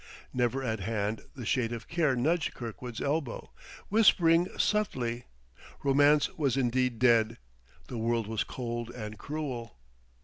Nearer at hand the Shade of Care nudged Kirkwood's elbow, whispering subtly. Romance was indeed dead; the world was cold and cruel.